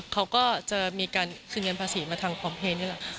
เขาก็จะมีการคืนเงินภาษีมาทางพร้อมเพลย์นี่แหละ